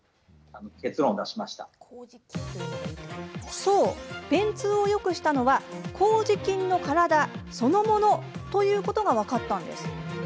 そう、便通をよくしたのはこうじ菌の体そのものということが分かったんです。